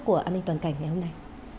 của an ninh toàn cảnh ngày hôm nay